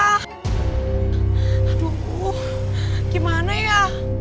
aduh gimana ya